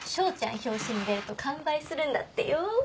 表紙に出ると完売するんだってよ。